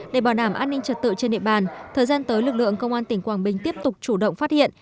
để bảo đảm an ninh trật tự trên địa bàn thời gian tới lực lượng công an tỉnh quảng bình tiếp tục chủ động phát hiện